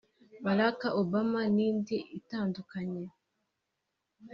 Barack Obama n’indi itandukanye